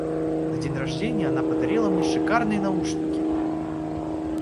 На день рождения она подарила мне шикарные наушники.